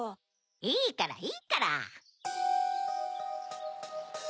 いいからいいから。